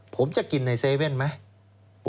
ผมจะกินใน๗๑๑ไหม